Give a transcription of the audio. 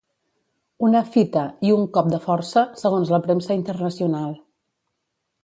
Una "fita" i un "cop de força" segons la premsa internacional.